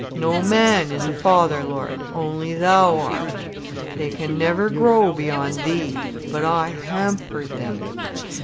No man is a father, Lord: only Thou art. They can never grow beyond Thee, but I hampered them.